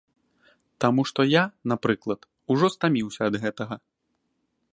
Таму што я, напрыклад, ужо стаміўся ад гэтага.